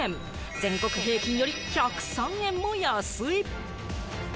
全国平均より１０３円も安い！